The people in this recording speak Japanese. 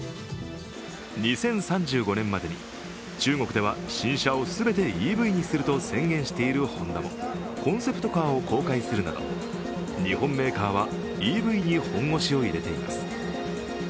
２０３５年までに中国では新車を全てＥＶにすると宣言しているホンダもコンセプトカーなどを公開するなど日本メーカーはＥＶに本腰を入れています。